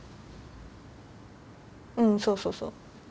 うんそうそうそう。